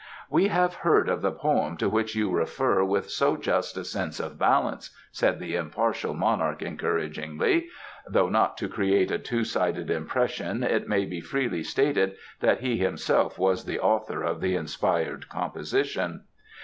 "We have heard of the poem to which you refer with so just a sense of balance," said the impartial Monarch encouragingly. (Though not to create a two sided impression it may be freely stated that he himself was the author of the inspired composition.)